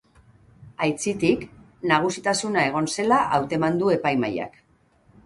Aitzitik, nagusitasuna egon zela hauteman du epaimahaiak.